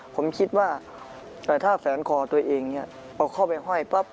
ผมคิดว่าแต่ถ้าแฟนคอตัวเองเอาเข้าไปไหว้ปั๊บ